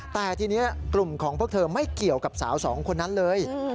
แต่ทีนี้กลุ่มของพวกเธอไม่เกี่ยวกับสาวสองคนนั้นเลย